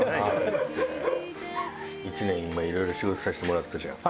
１年いろいろ仕事させてもらったじゃん。